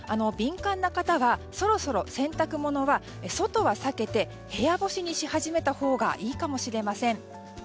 敏感な方はそろそろ洗濯物は外は避けて部屋干しにし始めたほうがいいかもしれません。